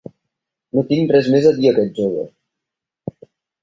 No tinc res més a dir a aquest jove!